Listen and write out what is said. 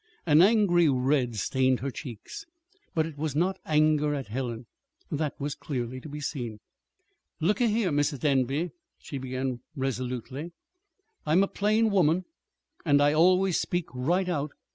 An angry red stained her cheeks but it was not anger at Helen. That was clearly to be seen. "Look a here, Mis' Denby," she began resolutely, "I'm a plain woman, and I always speak right out.